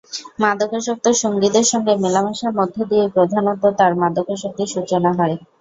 মাদকাসক্ত সঙ্গীদের সঙ্গে মেলামেশার মধ্য দিয়েই প্রধানত তার মাদকাসক্তির সূচনা হয়।